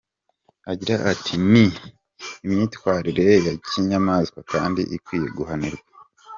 Agira ati “Ni imyitwarire ya kinyamaswa kandi ikwiye guhanirwa.